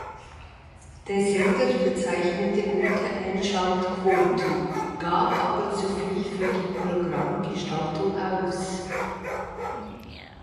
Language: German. Der Sender verzeichnete gute Einschaltquoten, gab aber zu viel für die Programmgestaltung aus.